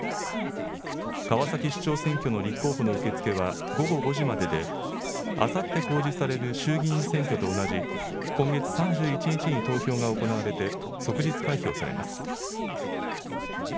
川崎市長選挙の立候補の受け付けは午後５時までで、あさって公示される衆議院選挙と同じ今月３１日に投票が行われて即日開票されます。